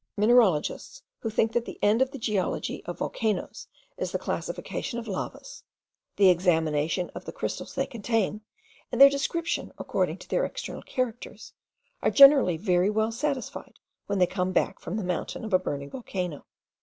Mineralogists who think that the end of the geology of volcanoes is the classification of lavas, the examination of the crystals they contain, and their description according to their external characters, are generally very well satisfied when they come back from the mouth of a burning volcano.